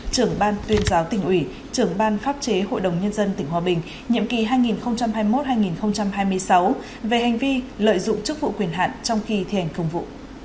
trưởng ban tuyên giáo tỉnh ủy trưởng ban pháp chế hội đồng nhân dân tỉnh hòa bình nhiệm kỳ hai nghìn hai mươi một hai nghìn hai mươi sáu về hành vi lợi dụng chức vụ quyền hạn trong khi thi hành công vụ